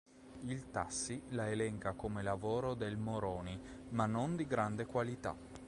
Il Tassi la elenca come lavoro del Moroni ma non di grande qualità.